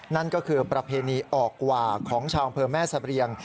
นั่นก็คือประเพณีออกกว่าของชาวอำเภอแม่สะเรียง